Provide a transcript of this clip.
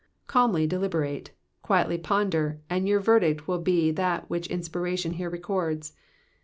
Calmly deliberate, quietly ponder, and your verdict will be that which inspiration here records.